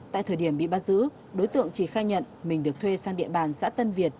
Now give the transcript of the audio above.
tại thời điểm bị bắt giữ đối tượng chỉ khai nhận mình được thuê sang địa bàn xã tân việt